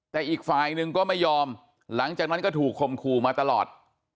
แต่อีกฝ่ายหนึ่งก็ไม่ยอมหลังจากนั้นก็ถูกคมคู่มาตลอด